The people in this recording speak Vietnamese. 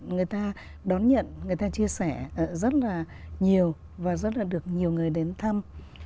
người ta đón nhận người ta chia sẻ rất là nhiều và rất là được nhiều người đến thăm